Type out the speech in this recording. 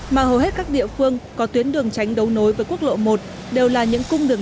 mà hầu hết các địa phương có tuyến đường tránh đấu nối với quốc lộ một đều là những cung đường